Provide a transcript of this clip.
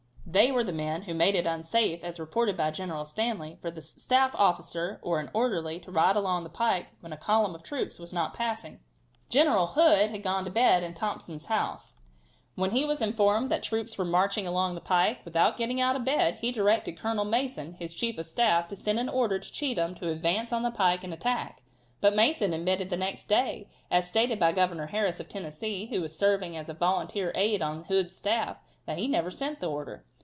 They were the men who made it unsafe, as reported by General Stanley, for a staff officer or an orderly to ride along the pike when a column of troops was not passing. General Hood had gone to bed in Thompson's house when he was informed that troops were marching along the pike. Without getting out of bed he directed Colonel Mason, his chief of staff, to send an order to Cheatham to advance on the pike and attack, but Mason admitted the next day, as stated by Governor Harris, of Tennessee, who was serving as a volunteer aide on Hood's staff, that he never sent the order.